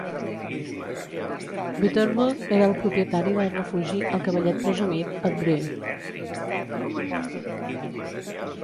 Butterbur era el propietari del refugi El Cavallet Presumit a Bree.